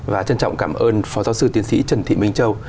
và trân trọng cảm ơn phó giáo sư tiến sĩ trần thị minh châu